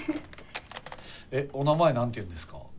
えお名前何て言うんですか？